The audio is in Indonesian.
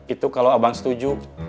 itu kalau abang setuju